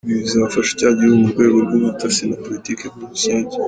Ibi bizafasha cya gihugu mu rwego rw’ubutasi na Politke muri rusange.